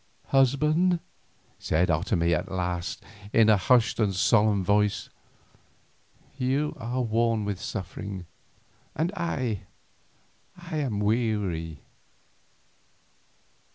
"Husband," said Otomie at last in a hushed and solemn voice, "you are worn with suffering, and I am weary.